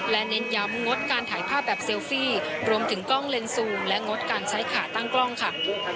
และเน้นย้ำงดการถ่ายภาพแบบเซลฟี่รวมถึงกล้องเลนซูมและงดการใช้ขาตั้งกล้องค่ะ